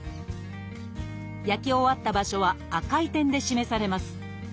焼き終わった場所は赤い点で示されます。